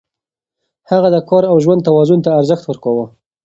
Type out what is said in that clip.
هغه د کار او ژوند توازن ته ارزښت ورکاوه.